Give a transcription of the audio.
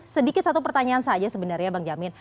sedikit satu pertanyaan saja sebenarnya bang jamin